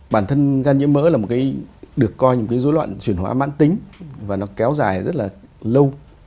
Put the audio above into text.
bản thân gan nhiễm mỡ là một cái được coi những cái dối loạn chuyển hóa mãn tính và nó kéo dài rất là lâu